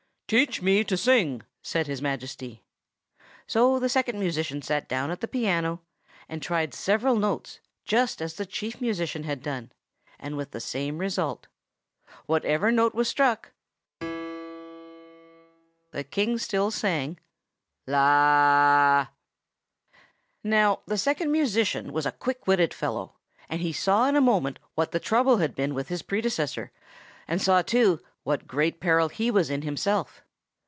"Teach me to sing!" said His Majesty. So the Second Musician sat down at the piano, and tried several notes, just as the Chief Musician had done, and with the same result. Whatever note was struck, the King still sang, Now the Second Musician was a quick witted fellow, and he saw in a moment what the trouble had been with his predecessor, and saw, too, what great peril he was in himself.